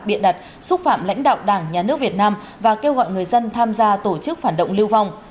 biện đặt xúc phạm lãnh đạo đảng nhà nước việt nam và kêu gọi người dân tham gia tổ chức phản động lưu vong